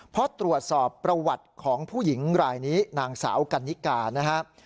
เพราะตรวจสอบประวัติของผู้หญิงรายนี้นางสาวกันนิกานะครับ